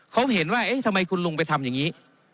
เขาเห็นว่าเอ๊ะทำไมคุณลุงไปทำอย่างนี้